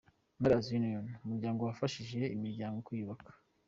Mothers Union: Umuryango wafashije imiryango kwiyubaka.